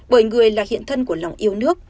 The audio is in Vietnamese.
bởi người là hiện thân của lòng yêu nước